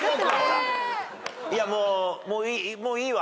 いやもうもういいわ。